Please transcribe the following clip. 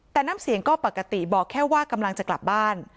แต่น้ำเสียงก็ปกติบอกแค่ว่ากำลังจะกลับบ้าน